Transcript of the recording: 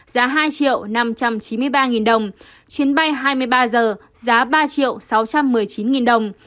giá hai năm trăm chín mươi ba đồng chuyến bay hai mươi ba h giá ba sáu trăm một mươi chín đồng